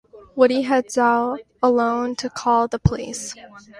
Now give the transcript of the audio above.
Woody heads out alone to call the police.